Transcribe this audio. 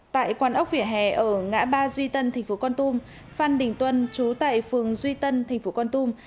tại quán ốc vỉa hè ở ngã ba duy tân tp con tum phan đình tuân chú tại phường duy tân tp con tum